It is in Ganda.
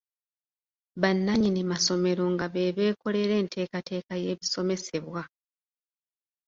Bannannyini masomero nga be beekolera enteekateeka y’ebisomesebwa.